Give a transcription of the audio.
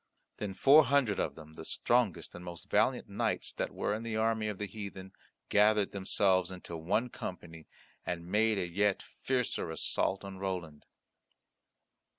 Then four hundred of them, the strongest and most valiant knights that were in the army of the heathen, gathered themselves into one company, and made a yet fiercer assault on Roland.